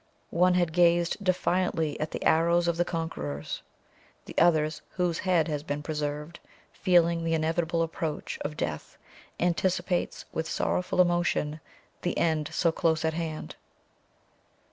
One had gazed defiantly at the arrows of the conquerors; the other, whose head has been preserved, feeling the inevitable approach of death, anticipates, with sorrowful emotion, the end so close at hand.